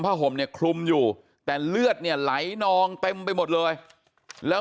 ห่มเนี่ยคลุมอยู่แต่เลือดเนี่ยไหลนองเต็มไปหมดเลยแล้ว